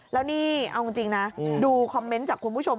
แล้วนี่เอาจริงนะดูคอมเมนต์จากคุณผู้ชม